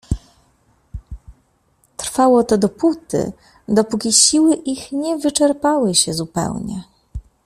Trwało to dopóty, dopóki siły ich nie wyczerpały się zupełnie.